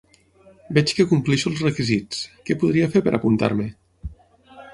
Veig que compleixo el s requisits, què podria fer per apuntar-me?